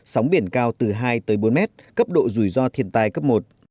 sóng biển cao từ hai tới bốn mét cấp độ rủi ro thiên tai cấp một